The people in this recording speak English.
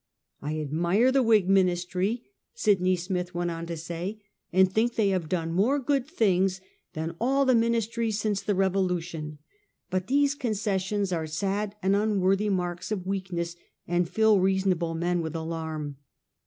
£ I admire the Whig Ministry,' Sydney Smith went on to say, ' and think they have done more good things than all the ministries since the Bevolution ; but these concessions are sad and un worthy marks of weakness, and fill reasonable men with alarm.